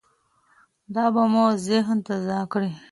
دا به مو ذهن تازه کړي.